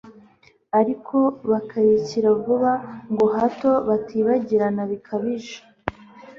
ariko bakayikira vuba, ngo hato batibagirana bikabije